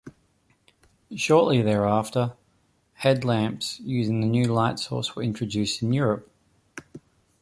Shortly thereafter, headlamps using the new light source were introduced in Europe.